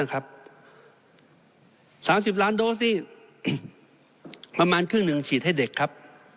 ๓๐ล้านโดสนี่ประมาณครึ่งหนึ่งฉีดให้เด็กครับ